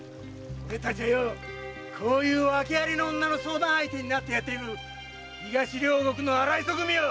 俺たちはこういう訳ありな女の相談相手になってやってる東両国の荒磯組よ！